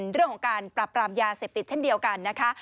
เรื่องของการปรับปรามยาเสพติดเช่นเดียวกันนะคะ